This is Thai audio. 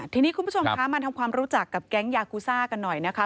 ทีนี้คุณผู้ชมคะมาทำความรู้จักกับแก๊งยากูซ่ากันหน่อยนะคะ